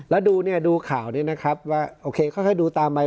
แล้วดูเนี่ยดูข่าวนี้นะครับว่าโอเคค่อยดูตามไป